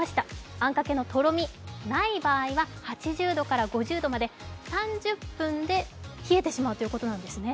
あんかけのとろみがない場合は８０度から５０度まで、３０分で冷えてしまうんですね。